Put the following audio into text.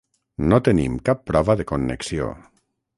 No tenim cap prova de connexió.